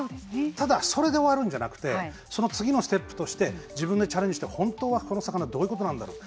ただ、それで終わるんじゃなくてその次のステップとして自分でチャレンジして本当はこの魚どういうことなんだろう。